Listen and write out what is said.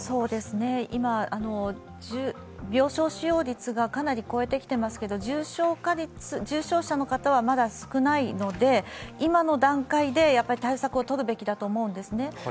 今、病床使用率がかなり超えてきていますけれども、重症者の方はまだ少ないので、今の段階で対策をとるべきだと思うんですね。